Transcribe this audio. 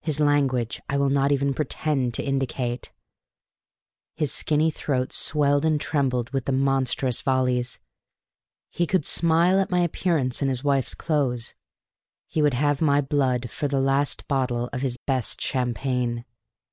His language I will not even pretend to indicate: his skinny throat swelled and trembled with the monstrous volleys. He could smile at my appearance in his wife's clothes; he would have had my blood for the last bottle of his best champagne.